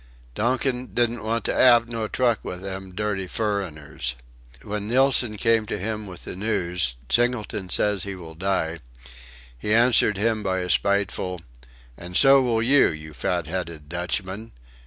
Donkin "didn't want to 'ave no truck with 'em dirty furriners." When Nilsen came to him with the news: "Singleton says he will die," he answered him by a spiteful "And so will you you fat headed Dutchman.